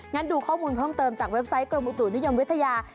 งั้นดูข้อมูลเพิ่มเติมจากเว็บไซต์กรมอุตุนิยมวิทยา